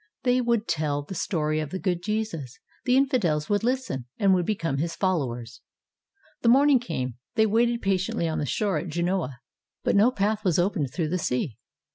They would tell the story of the good Jesus. The infidels would listen and would become his followers. The morning came. They waited patiently on the shore at Genoa, but no path was opened through the sea.